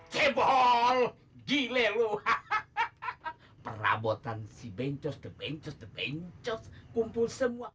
cebol gile lu hahaha perabotan si bencos bencos bencos kumpul semua